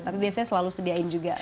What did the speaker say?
tapi biasanya selalu sediain juga